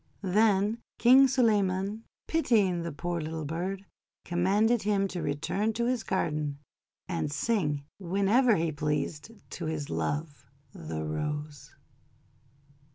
Then King Suleyman, pitying the poor little bird, commanded him to return to his garden, and sing whenever he pleased to his Love the Rose.